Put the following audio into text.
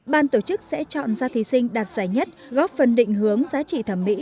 ban tổ chức sẽ chọn ra thí sinh đạt giải nhất góp phần định hướng giá trị thẩm mỹ